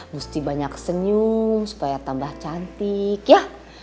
mesti banyak senyum supaya tambah cantik ya